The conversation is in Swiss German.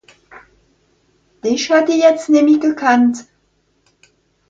Dìch hätt ìch jetzt nemmi gekannt.